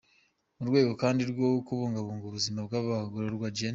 Mu rwego kandi rwo kubungabunga ubuzima bw’abagororwa, Gen.